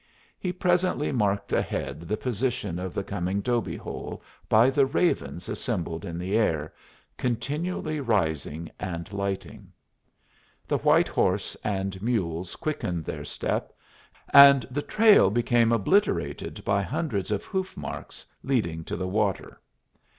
He presently marked ahead the position of the coming 'dobe hole by the ravens assembled in the air, continually rising and lighting. The white horse and mules quickened their step, and the trail became obliterated by hundreds of hoof marks leading to the water.